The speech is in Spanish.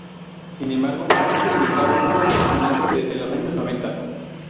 Sin embargo ha experimentado un gran crecimiento desde los años noventa.